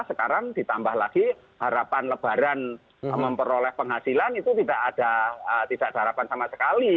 sekarang ditambah lagi harapan lebaran memperoleh penghasilan itu tidak ada harapan sama sekali